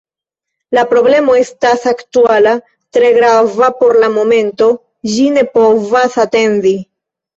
La problemo estas aktuala, tre grava por la momento, ĝi ne povas atendi.